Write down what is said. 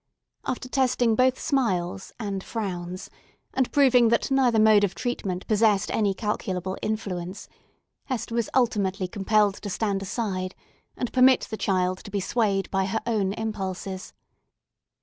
After testing both smiles and frowns, and proving that neither mode of treatment possessed any calculable influence, Hester was ultimately compelled to stand aside and permit the child to be swayed by her own impulses.